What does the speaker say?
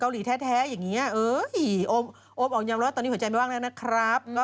แท้อย่างนี้โอมออกยอมรับว่าตอนนี้หัวใจไม่ว่างแล้วนะครับ